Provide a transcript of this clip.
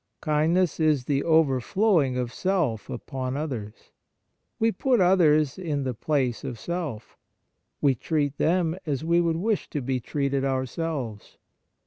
Kindness is the overflowing of self upon others. We put others in the place of self. We treat them as we would wish to be treated ourselves.